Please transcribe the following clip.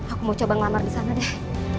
aku mau coba ngelamar disana deh